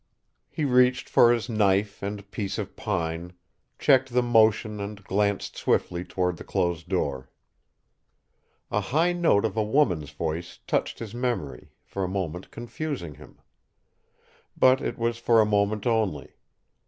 He reached for his knife and piece of pine, checked the motion and glanced swiftly toward the closed door. A high note of a woman's voice touched his memory, for a moment confusing him. But it was for a moment only.